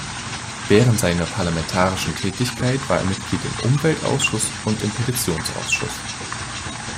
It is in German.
Während seiner parlamentarischen Tätigkeit war er Mitglied im Umweltausschuss und im Petitionsausschuss.